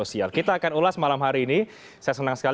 selamat malam eva